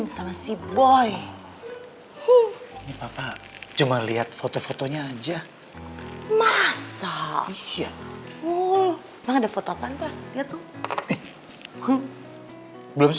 sampai jumpa di games plus